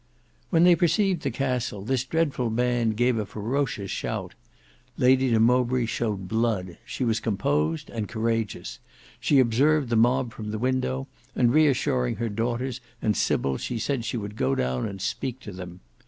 When they perceived the castle this dreadful band gave a ferocious shout. Lady de Mowbray showed blood; she was composed and courageous. She observed the mob from the window, and re assuring her daughters and Sybil she said she would go down and speak to them.